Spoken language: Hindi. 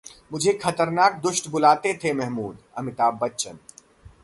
मुझे ‘खतरनाक दुष्ट’ बुलाते थे महमूद: अमिताभ बच्चन